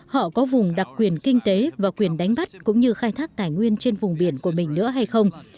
họ có vùng đặc quyền kinh tế và quyền đánh bắt cũng như khai thác tài nguyên trên vùng biển của mình nữa hay không